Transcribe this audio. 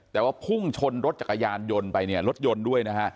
แต่ว่าพุ่งชนรถจักรยานยนต์ไปเนี่ยรถยนต์ด้วยนะฮะ